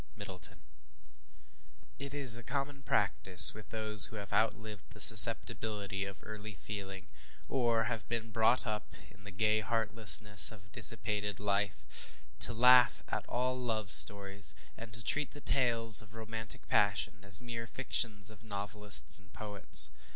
MIDDLETON. IT is a common practice with those who have outlived the susceptibility of early feeling, or have been brought up in the gay heartlessness of dissipated life, to laugh at all love stories, and to treat the tales of romantic passion as mere fictions of novelists and poets.